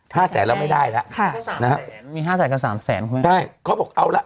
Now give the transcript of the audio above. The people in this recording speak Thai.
แสนแล้วไม่ได้แล้วค่ะนะฮะมีห้าแสนกับสามแสนคุณแม่ใช่เขาบอกเอาละ